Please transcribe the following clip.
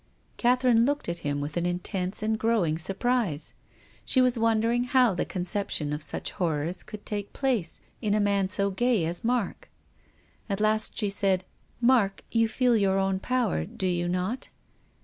Catherine looked at him with an intense and growing surprise. She was wondering how the conception of such horrors could take place in a man so gay as Mark. At last she said, " Mark, you feel your own power, do you not